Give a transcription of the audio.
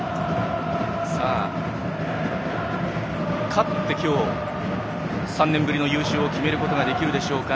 勝って３年ぶりの優勝を決めることができるでしょうか。